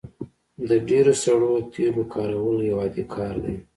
د ډیرو سړو تیلو کارول یو عادي کار دی